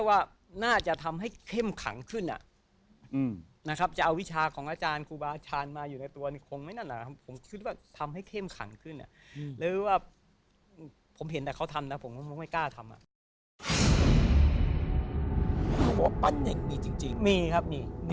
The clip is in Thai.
อันไหนตรงไหนที่นี่ครับ